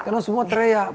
karena semua teriak